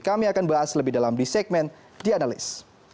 kami akan bahas lebih dalam di segmen dianalys